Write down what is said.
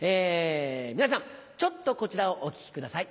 皆さんちょっとこちらをお聴きください。